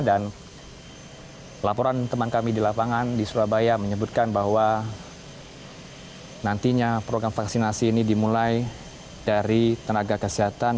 dan laporan teman kami di lapangan di surabaya menyebutkan bahwa nantinya program vaksinasi ini dimulai dari tenaga kesehatan